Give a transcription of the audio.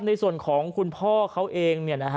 ก็ได้พลังเท่าไหร่ครับ